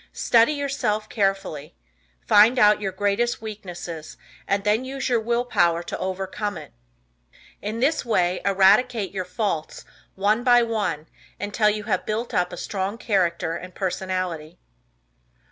Study yourself carefully. Find out your greatest weakness and then use your will power to overcome it. In this way eradicate your faults, one by one, until you have built up a strong character and personality.